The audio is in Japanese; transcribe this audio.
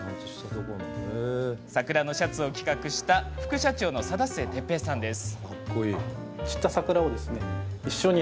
桜のシャツを企画した副社長の貞末哲兵さんです。